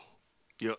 いや。